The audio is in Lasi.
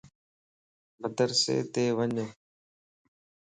مدرسيت وڃ